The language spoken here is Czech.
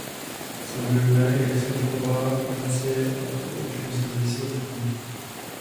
Sledujme, jak se zachová Francie, a poučme se z výsledků.